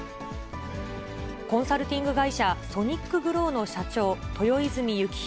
コンサルティング会社、ソニックグロウの社長、豊泉裕樹宏